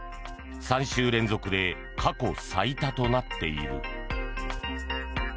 ３週連続で過去最多となっている。